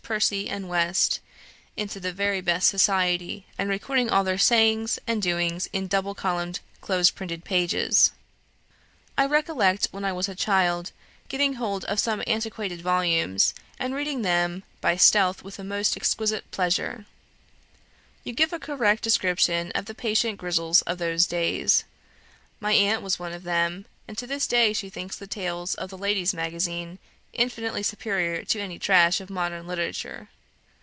Percy and West into the very best society, and recording all their sayings and doings in double columned close printed pages ... I recollect, when I was a child, getting hold of some antiquated volumes, and reading them by stealth with the most exquisite pleasure. You give a correct description of the patient Grisels of those days. My aunt was one of them; and to this day she thinks the tales of the 'Ladies' Magazine' infinitely superior to any trash of modern literature.